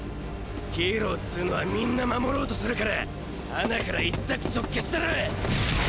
ヒーローっつのはみんな守ろうとするからハナから一択即決だろ。